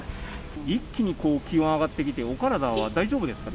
一気に気温上がってきて、お体は大丈夫ですか？